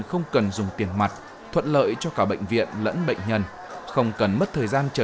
không cần dùng tiền mặt thuận lợi cho cả bệnh viện lẫn bệnh nhân không cần mất thời gian chờ